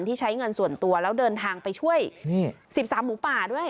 ใช้เงินส่วนตัวแล้วเดินทางไปช่วย๑๓หมูป่าด้วย